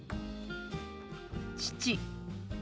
「父」。